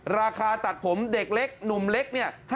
ราคาตัดผมเด็กเล็กหนุ่มเล็กเนี่ย